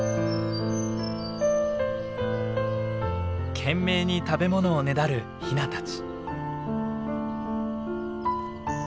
懸命に食べ物をねだるヒナたち。